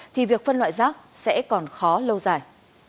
thì việc phân loại rác sẽ còn khó lâu dài